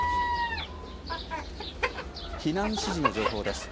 避難指示の情報です。